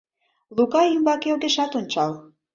Лука ӱмбаке огешат ончал.